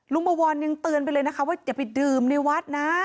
บวรยังเตือนไปเลยนะคะว่าอย่าไปดื่มในวัดนะ